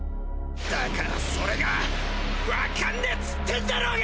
だからそれがわかんねえっつってんだろうが！